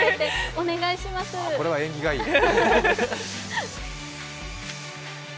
これは縁起がいいね。